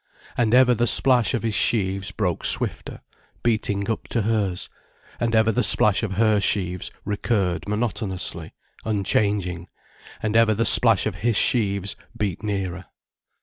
And ever the splash of his sheaves broke swifter, beating up to hers, and ever the splash of her sheaves recurred monotonously, unchanging, and ever the splash of his sheaves beat nearer.